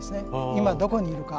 今どこにいるか。